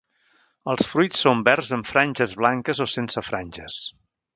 Els fruits són verds amb franges blanques o sense franges.